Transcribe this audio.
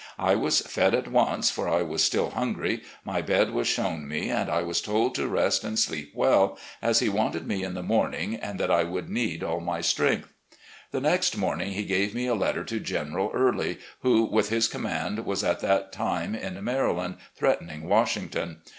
I was fed at once, for I was still hungry, my bed was shown me, and I was told to rest and sleep well, as he wanted me in the morning, and that I would need all my strength. The next morning he gave me a letter to General Early, who, with his command, was at that time in Maryland, threatening Washington.